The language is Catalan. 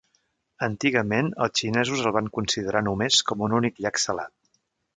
Antigament, els xinesos el van considerar només com un únic llac salat.